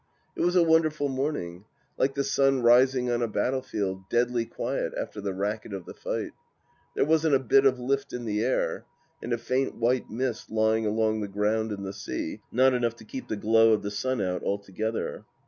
It was a wonderful morning. Like the sun rising on a battlefield, deadly quiet after the racket of the fight. There wasn't a bit of lift in the air, and a faint white mist lying along the ground and the sea, not enough to keep the glow of the sun out altogether.